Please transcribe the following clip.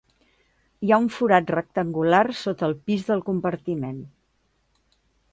Hi ha un forat rectangular, sota el pis del compartiment.